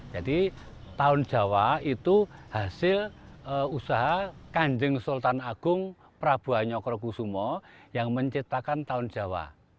jadi tahun jawa itu hasil usaha kanjeng sultan agung prabu hanyok rokusumo yang menciptakan tahun jawa